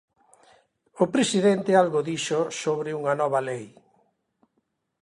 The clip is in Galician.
O presidente algo dixo sobre unha nova lei.